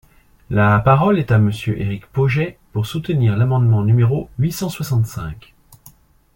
La parole est à Monsieur Éric Pauget, pour soutenir l’amendement numéro huit cent soixante-cinq.